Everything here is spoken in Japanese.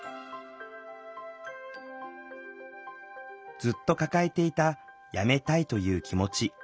ずっと抱えていた辞めたいという気持ち。